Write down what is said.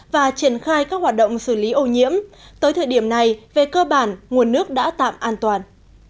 và triển khai các hoạt động xử lý ô nhiễm tới thời điểm này về cơ bản nguồn nước đã tạm an toàn